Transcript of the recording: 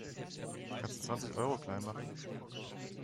Kannst du zwanzig Euro klein machen?